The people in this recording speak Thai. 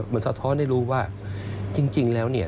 มันสะท้อนให้รู้ว่าจริงแล้วเนี่ย